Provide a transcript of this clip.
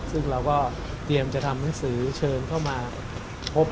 ซึ่งเราก็เตรียมจะทำหนังสือเชิญเข้ามาพบ